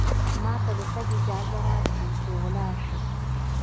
ما ته د تګ اجازه راکړئ، چې ولاړ شم.